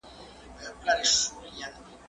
زه پرون سبزیجات خورم